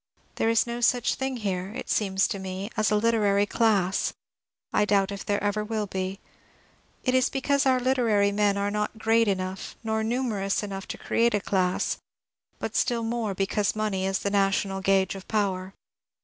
There is no such thing here, it seems to me, as a literary class : I doubt if there ever will be. It is because our literary men are not great enough nor numerous enough to create a class, but still more because money is the national gauge of power.